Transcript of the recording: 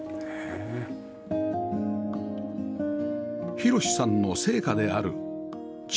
寛さんの生家である築